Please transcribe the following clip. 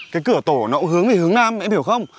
cái cửa tổ nó cũng hướng về hướng nam em hiểu không